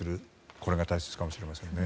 これが大切かもしれませんね。